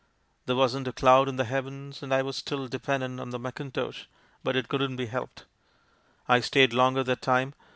There wasn't a cloud in the heavens, and I was still dependent on the mackintosh, but it couldn't be helped. I stayed longer that time.